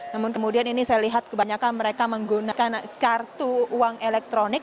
namun kemudian ini saya lihat kebanyakan mereka menggunakan kartu uang elektronik